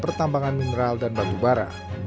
pertambangan mineral dan batubara